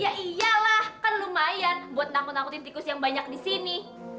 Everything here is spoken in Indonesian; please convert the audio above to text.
ya iyalah kan lumayan buat nangkut nangkutin tikus yang banyak di sini